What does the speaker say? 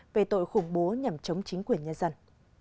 về tội khủng bố nhằm chống chính quyền nhân dân